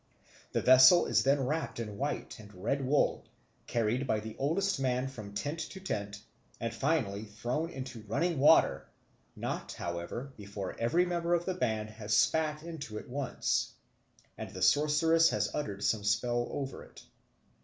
The vessel is then wrapt in white and red wool, carried by the oldest man from tent to tent, and finally thrown into running water, not, however, before every member of the band has spat into it once, and the sorceress has uttered some spells over it.